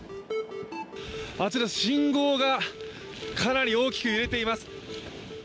あちら信号がかなり大きく揺れています。